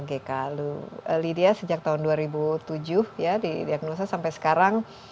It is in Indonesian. pengurus lgk lidia sejak tahun dua ribu tujuh ya didiagnosa sampai sekarang